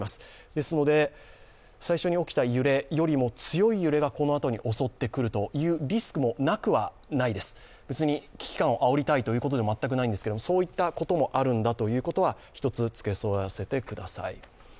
ですので、最初に起きた揺れよりも強い揺れがこのあとに襲ってくるというリスクもなくはないです、別に危機感をあおりたいということでは全くないんですが、そういったこともあるんだということは一つ付け加えさせてください。